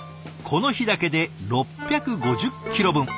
この日だけで６５０キロ分。